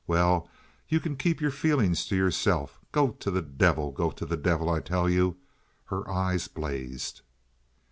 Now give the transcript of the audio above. "Well, you can keep your feelings to yourself. Go to the devil! Go to the devil, I tell you!" Her eyes blazed.